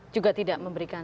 juga tidak memberikan